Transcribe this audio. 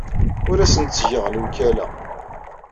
Ur asent-d-ttgeɣ lewkala.